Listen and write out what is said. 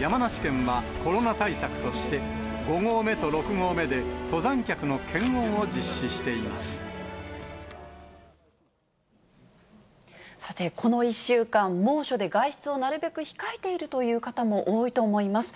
山梨県はコロナ対策として、５合目と６合目で登山客の検温をさて、この１週間、猛暑で外出をなるべく控えているという方も多いと思います。